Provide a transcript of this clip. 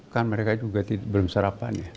kan mereka juga belum sarapan ya